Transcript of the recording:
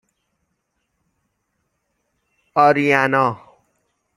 آریَنا